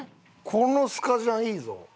このスカジャンいいぞ。